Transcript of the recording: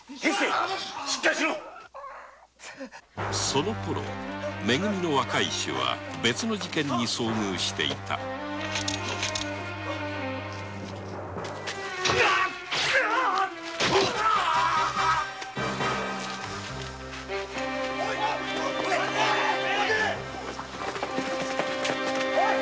そのころめ組の若い衆は別の事件に遭遇していたおい！